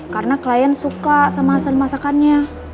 karena klien suka sama hasil masakannya